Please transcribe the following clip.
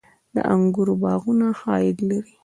د انګورو باغونه ښه عاید لري؟